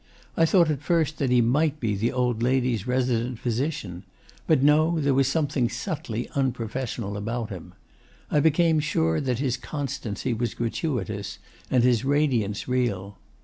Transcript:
I thought at first that he might be the old lady's resident physician; but no, there was something subtly un professional about him: I became sure that his constancy was gratuitous, and his radiance real.